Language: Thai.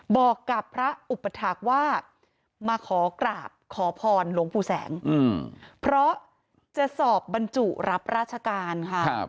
บอกกับพระอุปถาคว่ามาขอกราบขอพรหลวงปู่แสงเพราะจะสอบบรรจุรับราชการค่ะ